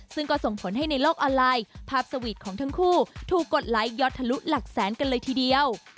ซึ่งก็ส่งผลให้ในโลกออนไลน์ภาพสวีทของทั้งคู่ถูกกดไลคยอดทะลุหลักแสนกันเลยทีเดียว